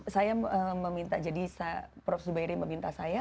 saya meminta jadi prof zubairi meminta saya